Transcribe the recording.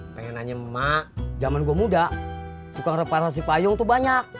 pengen nanya mbak jaman gua muda tukang reparasi payung tuh banyak